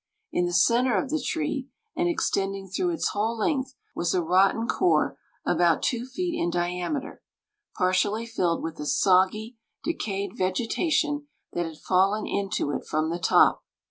In the centre of the tree, and extending through its whole length, was a rotten core about two feet in diameter, partially filled with a soggy, decayed vegetation that had fallen into it from the top.